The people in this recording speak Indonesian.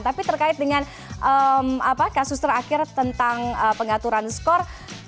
tapi terkait dengan kasus terakhir tentang pengaturan skor